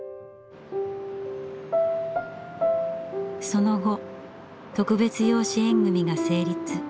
その後特別養子縁組が成立。